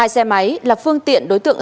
hai xe máy là phương tiện đối tượng